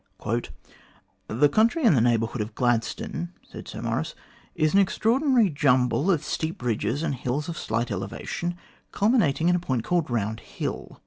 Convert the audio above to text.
"The country in the neighbourhood of Gladstone," said Sir Maurice, " is an extraordinary jumble of steep ridges and hills of slight elevation, culminating at a point called Round Hill.